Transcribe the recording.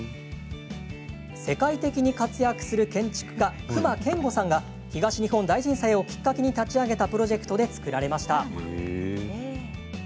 世界的に活躍する建築家隈研吾さんが東日本大震災をきっかけに立ち上げたプロジェクトで作られました。